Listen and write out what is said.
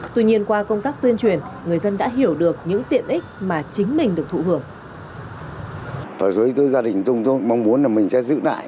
tuy nhiên qua công tác tuyên truyền người dân đã hiểu được những tiện ích mà chính mình được thụ hưởng